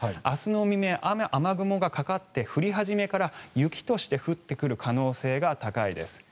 明日の未明、雨雲がかかって降り始めから雪として降ってくる可能性が高いです。